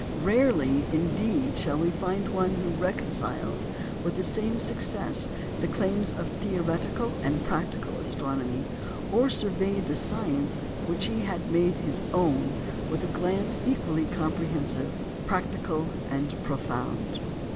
Rarely indeed shall we find one who reconciled with the same success the claims of theoretical and practical astronomy, or surveyed the science which he had made his own with a glance equally comprehensive, practical, and profound.